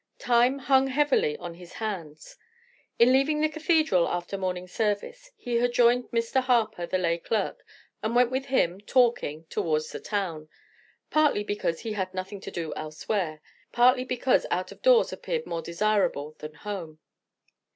Time hung heavily on his hands. In leaving the cathedral after morning service, he had joined Mr. Harper, the lay clerk, and went with him, talking, towards the town; partly because he had nothing to do elsewhere partly because out of doors appeared more desirable than home.